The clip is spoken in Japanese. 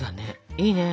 いいね！